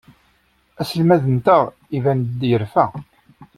Aselmad-nteɣ iban-d yerfa.